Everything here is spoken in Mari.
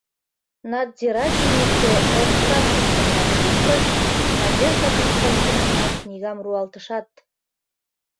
Надзирательнице омсам тӱчын гына шуктыш, Надежда Константиновна книгам руалтышат...